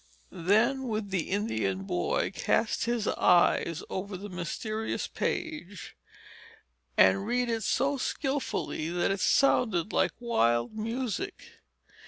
Then would the Indian boy cast his eyes over the mysterious page, and read it so skilfully, that it sounded like wild music.